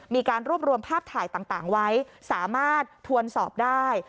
มีการรวบรวมภาพถ่ายต่างไว้สามารถทวนสอบได้